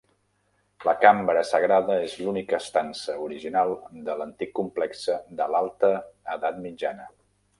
La Cambra sagrada és l'única estança original de l'antic complexe de l'alta edat mitjana.